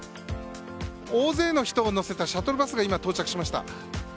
大勢の人を乗せたシャトルバスが今到着しました。